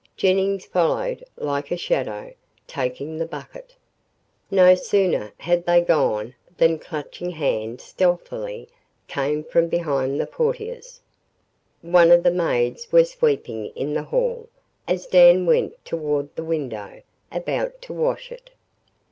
Jennings followed like a shadow, taking the bucket. No sooner had they gone than Clutching Hand stealthily came from behind the portieres. One of the maids was sweeping in the hall as Dan went toward the window, about to wash it.